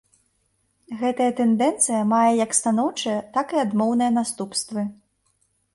Гэтая тэндэнцыя мае як станоўчыя, так і адмоўныя наступствы.